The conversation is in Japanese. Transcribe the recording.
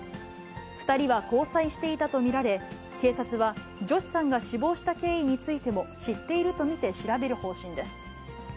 ２人は交際していたと見られ、警察は、ジョシさんが死亡した経緯についても知っているとみて調べる方針です。